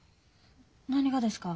何がですか？